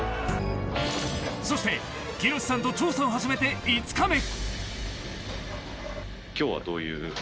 そして、喜熨斗さんと調査を始めて５日目。